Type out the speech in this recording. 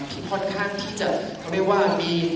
ค่อนข้างที่จะเขาเรียกว่ามี